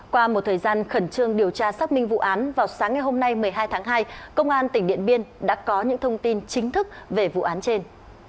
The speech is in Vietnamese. qua một thời gian khẩn trương điều tra xác minh vụ án vào sáng ngày hôm nay một mươi hai tháng hai công an tỉnh điện biên đã có những thông tin chính thức về vụ án trên